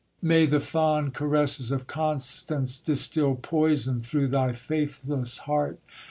May the fond caresses of Constance distil poison through thy faithless heart